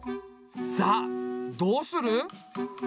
さあどうする？